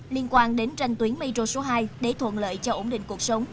liên quan đến tranh tuyến metro số hai để thuận lợi cho ổn định cuộc sống